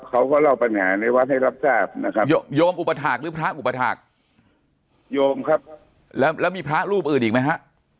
เขาก็เล่าปัญหาในวัดให้รับทราบนะครับโยมอุปถาคหรือพระอุปถาคโยมครับแล้วแล้วมีพระรูปอื่นอีกไหมฮะ